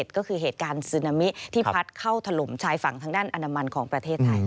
ก็คือเหตุการณ์ซึนามิที่พัดเข้าถล่มชายฝั่งทางด้านอนามันของประเทศไทย